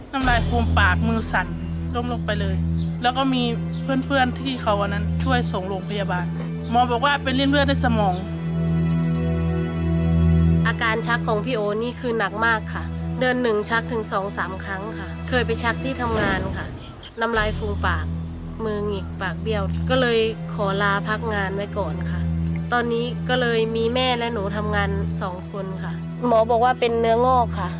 น้ำลายฟูมปากมือสั่นจมลงไปเลยแล้วก็มีเพื่อนเพื่อนที่เขาวันนั้นช่วยส่งโรงพยาบาลหมอบอกว่าเป็นริ่มเลือดในสมองอาการชักของพี่โอนี่คือหนักมากค่ะเดือนหนึ่งชักถึงสองสามครั้งค่ะเคยไปชักที่ทำงานค่ะน้ำลายฟูมปากมือหงิกปากเบี้ยวก็เลยขอลาพักงานไว้ก่อนค่ะตอนนี้ก็เลยมีแม่และหนูทำงานสองคนค่ะหมอบอกว่าเป็นเนื้องอกค่ะ